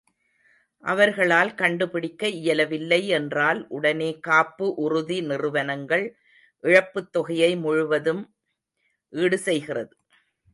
அவர்களால் கண்டுபிடிக்க இயலவில்லை என்றால் உடனே காப்பு உறுதி நிறுவனங்கள் இழப்புத் தொகையை முழுவதும் ஈடு செய்கிறது.